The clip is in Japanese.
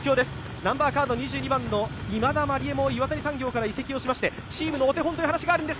ナンバーカード２２番の今田麻里絵も岩谷産業から移籍をしましてチームのお手本という話があります。